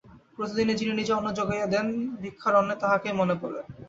প্রতিদিনই যিনি নিজে অন্ন জোগাইয়া দেন ভিক্ষার অন্নে তাঁহাকেই মনে পড়ে।